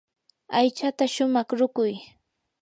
aychata shumaq ruquy.